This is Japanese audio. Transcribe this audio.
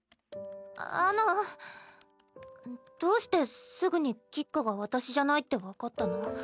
あのどうしてすぐに橘花が私じゃないって分かったの？